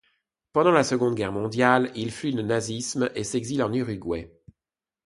Pendant la seconde Guerre mondiale, il fuit le nazisme et s'exile en Uruguay.